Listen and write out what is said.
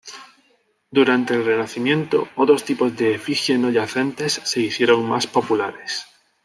Durante el Renacimiento, otros tipos de efigie no yacentes se hicieron más populares.